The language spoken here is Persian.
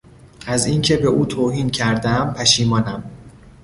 از اینکه به او توهین کردم پشیمانم.